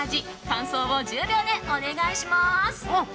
感想を１０秒でお願いします。